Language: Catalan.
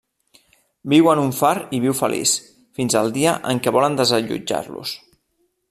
Viu en un far i viu feliç, fins al dia en què volen desallotjar-los.